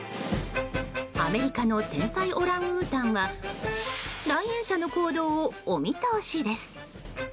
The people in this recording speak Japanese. アメリカの天才オランウータンは来園者の行動をお見通しです。